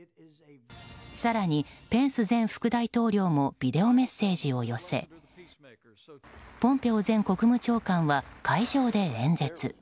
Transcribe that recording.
更に、ペンス前国務長官もビデオメッセージを寄せポンペオ前国務長官は会場で演説。